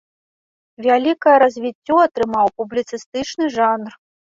Вялікае развіццё атрымаў публіцыстычны жанр.